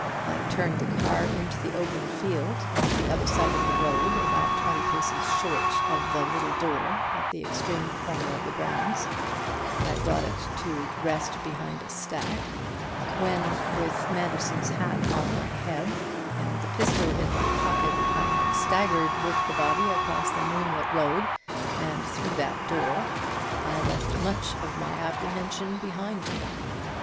I turned the car into the open field on the other side of the road, about twenty paces short of the little door at the extreme corner of the grounds. I brought it to rest behind a stack. When, with Manderson's hat on my head and the pistol in my pocket, I had staggered with the body across the moonlit road and through that door, I left much of my apprehension behind me.